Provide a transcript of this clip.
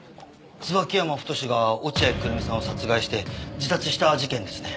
椿山太が落合久瑠実さんを殺害して自殺した事件ですね？